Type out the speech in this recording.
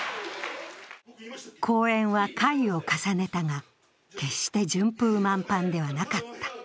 公演は回を重ねたが決して順風満帆ではなかった。